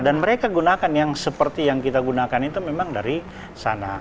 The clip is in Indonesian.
dan mereka gunakan yang seperti yang kita gunakan itu memang dari sana